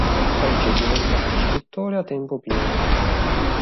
Oggi è diventato scrittore a tempo pieno.